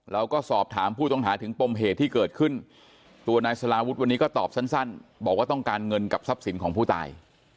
เราก็สอบถามผู้ต้องหาถึงปมเหตุที่เกิดขึ้นตัวนายสลาวุฒิวันนี้ก็ตอบสั้นบอกว่าต้องการเงินกับทรัพย์สินของผู้ตาย